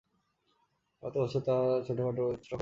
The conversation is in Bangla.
গত বছর তাঁর ছোটখাটো ক্টোক হয়ে গেছে।